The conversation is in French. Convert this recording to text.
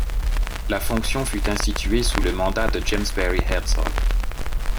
La fonction fut instituée sous le mandat de James Barry Hertzog.